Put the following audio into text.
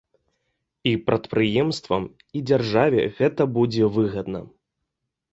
І прадпрыемствам, і дзяржаве гэта будзе выгадна.